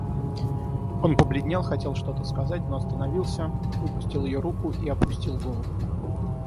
Он побледнел, хотел что-то сказать, но остановился, выпустил ее руку и опустил голову.